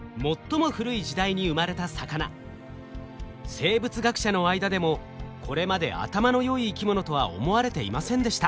生物学者の間でもこれまで頭の良い生き物とは思われていませんでした。